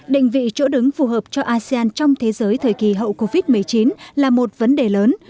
định vị chỗ đứng phù hợp cho asean trong thế giới thời kỳ hậu covid một mươi chín là một vấn đề lớn